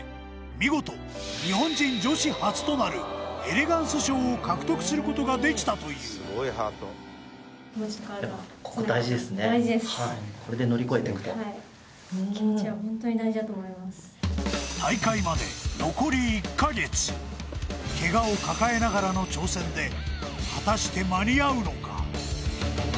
見事日本人女子初となるエレガンス賞を獲得することができたという大事ですだと思います怪我を抱えながらの挑戦で果たして間に合うのか？